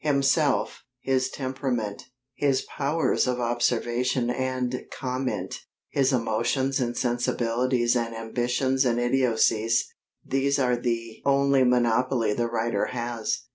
Himself, his temperament, his powers of observation and comment, his emotions and sensibilities and ambitions and idiocies these are the only monopoly the writer has.